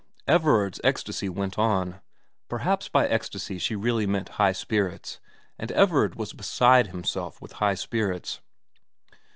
Everard's ecstasy went on. Perhaps by ecstasy she really meant high spirits, and Everard was beside himself with high spirits.